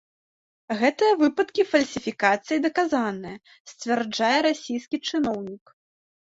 Гэтыя выпадкі фальсіфікацыі даказаныя, сцвярджае расійскі чыноўнік.